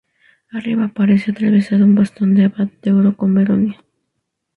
Arriba aparece atravesado un bastón de abad de oro con verónica.